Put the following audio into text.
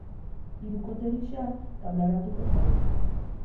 Hirukote gisa taularatuko zarete.